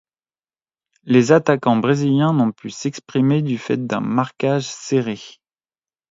Les attaquants brésiliens n'ont pu s'exprimer du fait d'un marquage serré.